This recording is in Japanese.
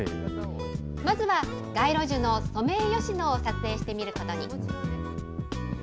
まずは、街路樹のソメイヨシノを撮影してみることに。